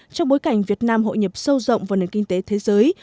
trong bối cảnh việt nam hội nhập sâu rộng vào nền kinh tế thế giới